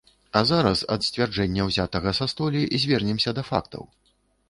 А зараз ад сцвярджэння, узятага са столі, звернемся да фактаў.